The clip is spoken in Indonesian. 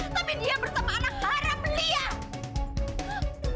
tapi dia bersama anak haram liar